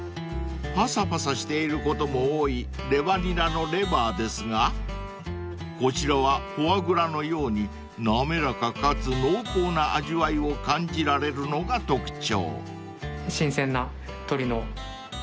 ［パサパサしていることも多いレバにらのレバーですがこちらはフォアグラのように滑らかかつ濃厚な味わいを感じられるのが特徴］